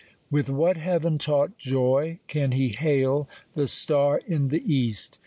*' With what heaven taught joy can he hail the star m the East !